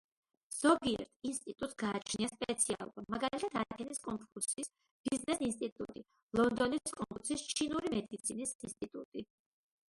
ზოგიერთ ინსტიტუტს გააჩნია სპეციალობა, მაგალითად ათენის კონფუცის ბიზნეს ინსტიტუტი, ლონდონის კონფუცის ჩინური მედიცინის ინსტიტუტი.